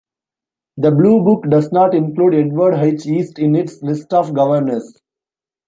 The "Blue Book" does not include Edward H. East in its list of governors.